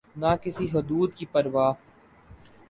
نہ کسی حدود کی پروا۔